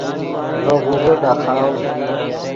ڤے غوڤے ڈاخاؤ